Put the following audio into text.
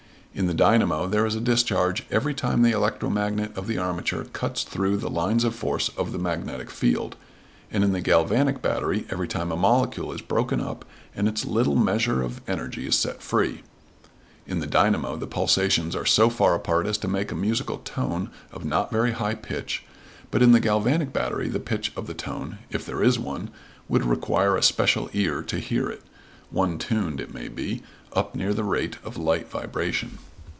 In the dynamo there is a discharge every time the electromagnet of the armature cuts through the lines of force of the magnetic field, and in the galvanic battery every time a molecule is broken up and its little measure of energy is set free. In the dynamo the pulsations are so far apart as to make a musical tone of not very high pitch, but in the galvanic battery the pitch of the tone, if there is one, would require a special ear to hear it one tuned, it may be, up near the rate of light vibration.